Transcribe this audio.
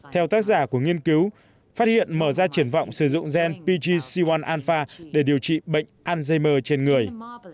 theo tác giả của nghiên cứu phát hiện mở ra triển vọng sử dụng gen pgc một alpha để điều trị bệnh alzheimer trên người